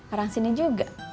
orang sini juga